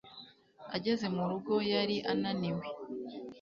Ageze mu rugo yari ananiwe